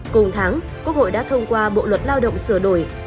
cùng tháng quốc hội đã thông qua bộ luật lao động sửa đổi